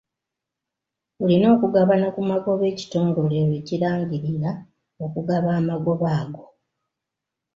Olina okugabana ku magoba ekitongole lwe kirangirira okugaba amagoba ago.